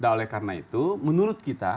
nah oleh karena itu menurut kita